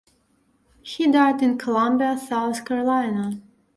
He died in Columbia, South Carolina.